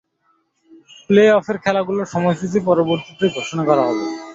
প্লে-অফের খেলাগুলোর সময়সূচী পরবর্তীতে ঘোষণা করা হবে।